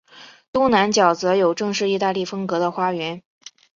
东南角则有正式意大利风格的花园。